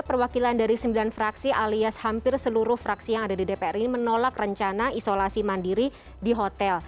perwakilan dari sembilan fraksi alias hampir seluruh fraksi yang ada di dpr ini menolak rencana isolasi mandiri di hotel